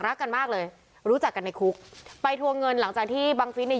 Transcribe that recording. รักกันมากเลยรู้จักกันในคุกไปทวงเงินหลังจากที่บังฟิศเนี่ย